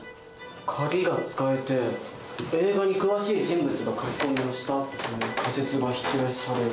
鍵が使えて映画に詳しい人物が書き込みをしたっていう仮説が否定される。